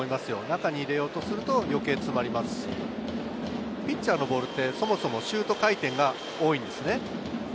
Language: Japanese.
中に入れようとすると詰まりますし、ピッチャーのボールは、そもそもシュート回転が多いんです。